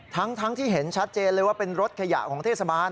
ทั้งที่เห็นชัดเจนเลยว่าเป็นรถขยะของเทศบาล